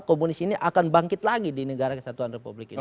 komunis ini akan bangkit lagi di negara kesatuan republik indonesia